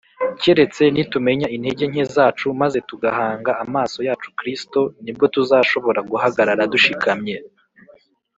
keretse nitumenya intege nke zacu maze tugahanga amaso yacu kristo, ni bwo tuzashobora guhagarara dushikamye